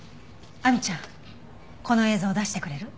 亜美ちゃんこの映像を出してくれる？